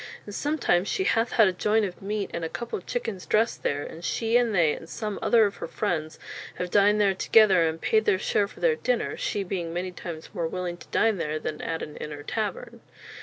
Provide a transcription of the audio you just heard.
And sometimes shee hath had a joint of meat and a cople of chickens dressed there; and shee, and they, and some other of her freinds, have dined there together, and paid their share for their dinner, shee being many times more willing to dine there than at an inne or taverne."